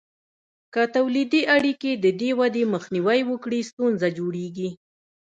که تولیدي اړیکې د دې ودې مخنیوی وکړي، ستونزه جوړیږي.